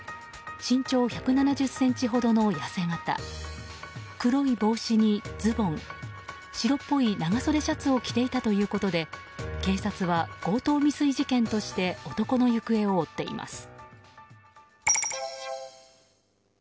身長１７０ｃｍほどの痩せ形黒い帽子にズボン白っぽい長袖シャツを着ていたということで警察は強盗未遂事件として男の行方を追っています。